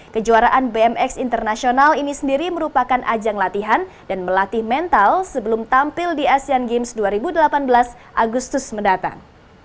kejuaraan bmx internasional ini sendiri merupakan ajang latihan dan melatih mental sebelum tampil di asean games dua ribu delapan belas agustus mendatang